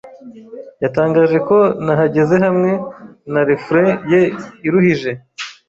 yatangaje ko nahageze hamwe na refrain ye iruhije.